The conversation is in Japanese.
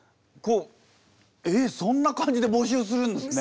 えっそんな感じで募集するんですね。